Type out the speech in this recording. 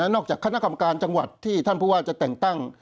จากคณะกรรมการจังหวัดที่ท่านผู้ว่าจะแต่งตั้ง